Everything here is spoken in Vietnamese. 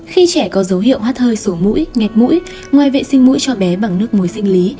khi trẻ có dấu hiệu hắt hơi sổ mũi ngạt mũi ngoài vệ sinh mũi cho bé bằng nước mối sinh lý